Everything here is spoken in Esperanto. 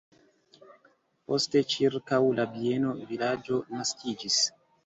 Poste ĉirkaŭ la bieno vilaĝo naskiĝis.